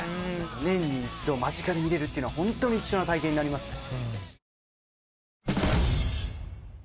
年に一度間近で見れるっていうのはホントに貴重な体験になりますね。